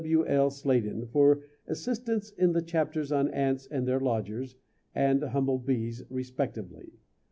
W. L. Sladen for assistance in the chapters on Ants and their Lodgers, and Humble Bees, respectively.